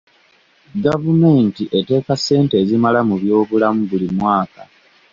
Gavumenti eteeka ssente ezimala mu byobulamu buli mwaka.